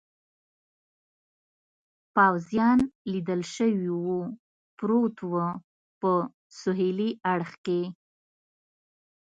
پوځیان لیدل شوي و، پروت و، په سهېلي اړخ کې.